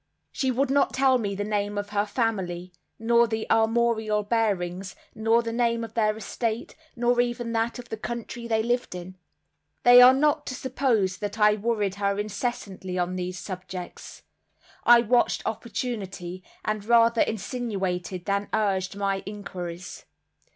She would not tell me the name of her family, nor their armorial bearings, nor the name of their estate, nor even that of the country they lived in. You are not to suppose that I worried her incessantly on these subjects. I watched opportunity, and rather insinuated than urged my inquiries.